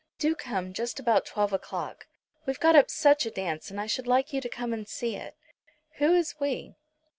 Do come just about twelve o'clock. We've got up such a dance, and I should like you to come and see it." "Who is we?"